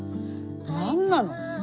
何なの？